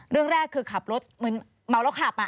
เรื่องแรกคือขับรถเหมือนเมาแล้วขับ